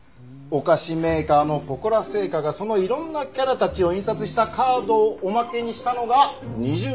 お菓子メーカーのポコラ製菓がそのいろんなキャラたちを印刷したカードをおまけにしたのが２０年前。